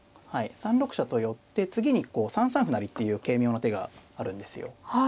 ３六飛車と寄って次にこう３三歩成っていう軽妙な手があるんですよ。